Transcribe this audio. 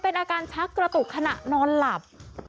เป็นอาการชักกระตุกขณะนอนหลับ